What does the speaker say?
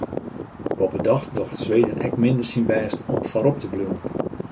Boppedat docht Sweden ek minder syn bêst om foarop te bliuwen.